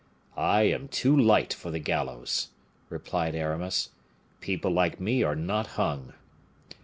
"I am too light for the gallows," replied Aramis; "people like me are not hung."